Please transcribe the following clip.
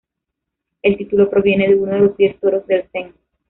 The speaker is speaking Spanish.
El título proviene de uno de los Diez toros del zen.